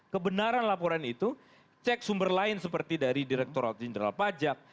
kebenaran laporan itu cek sumber lain seperti dari direkturat jenderal pajak